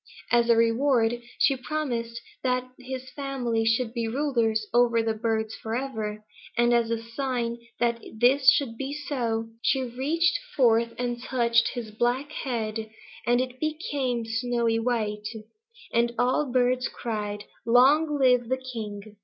As a reward she promised that his family should be rulers over the birds forever, and as a sign that this should be so, she reached forth and touched his black head, and it became snowy white, and all the birds cried 'Long live the king!'